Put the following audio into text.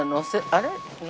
あれ？